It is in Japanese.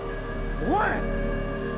おい！